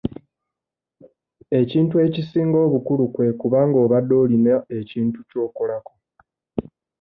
Ekintu ekisinga obukulu kwe kuba nga obadde olina ekintu ky'okolako.